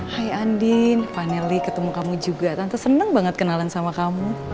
hai andin akhirnya ketemu kamu juga tante seneng banget kenalan sama kamu